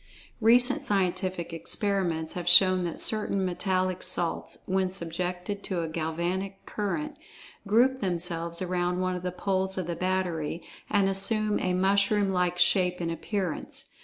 Recent scientific experiments have shown that certain metallic salts, when subjected to a galvanic current, group themselves around one of the poles of the battery, and assume a mushroom like shape and appearance.